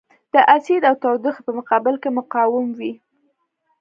د اسید او تودوخې په مقابل کې مقاوم وي.